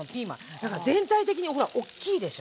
何か全体的にほらおっきいでしょ？